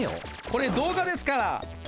これ動画ですから。